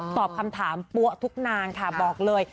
ตอบคำถามปั๊วทุกนางค่ะบอกเลย